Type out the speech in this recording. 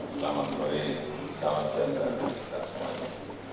selamat sore selamat siang dan berterima kasih semuanya